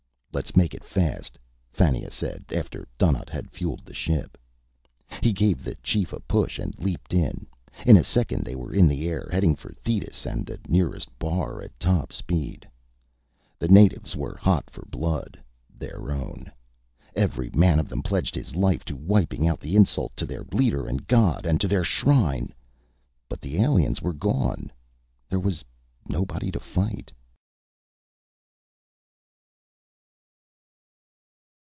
"Let's make it fast," Fannia said, after Donnaught had fueled the ship. He gave the chief a push and leaped in. In a second they were in the air, heading for Thetis and the nearest bar at top speed. The natives were hot for blood their own. Every man of them pledged his life to wiping out the insult to their leader and god, and to their shrine. But the aliens were gone. There was nobody to fight.